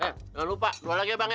jangan lupa dua lagi ya bang ya